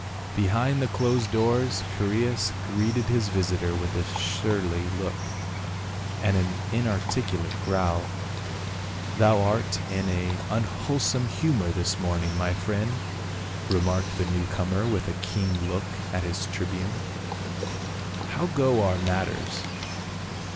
Behind the closed doors Chaereas greeted his visitor with a surly look and an inarticulate growl. " Thou art in an unwholesome humor this morning, my friend," remarked the new comer with a keen look at the tribune. " How go our matters